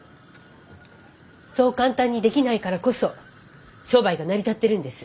そう簡単にできないからこそ商売が成り立ってるんです。